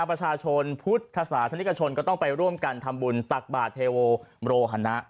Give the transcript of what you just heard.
ประชาชนพุทธศาสนิกชนก็ต้องไปร่วมกันทำบุญตักบาทเทโวโรฮนะ